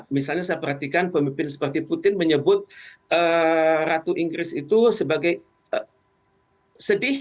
misalnya saya perhatikan pemimpin seperti putin menyebut ratu inggris itu sebagai sedih